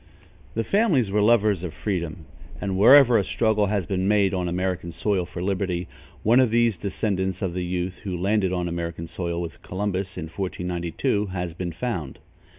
The family were lovers of freedom, and, wherever a struggle has been made on American soil for liberty, one of these descendants of the youth who landed on American soil with Columbus, in 1492, has been found.